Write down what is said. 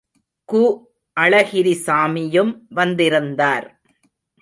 கு. அழகிரிசாமியும் வந்திருந்தார்.